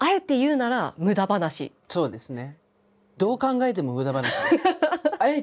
そうですね。